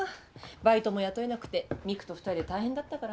バイトも雇えなくて未来と２人で大変だったからさ。